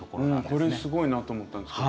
これすごいなと思ったんです。